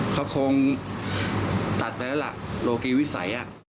เขาคงตัดไปแล้วล่ะโลกีวิสัย